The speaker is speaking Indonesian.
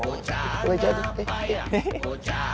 udah jadi deh